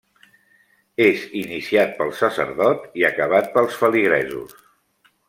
És iniciat pel sacerdot i acabat pels feligresos.